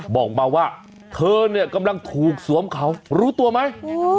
บอกมาว่าเธอเนี่ยกำลังถูกสวมเขารู้ตัวไหม